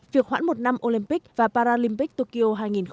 việc hoãn một năm olympic và paralympic tokyo hai nghìn hai mươi